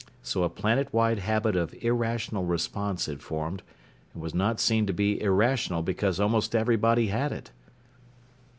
So a planet wide habit of irrational response had formed and was not seen to be irrational because almost everybody had it.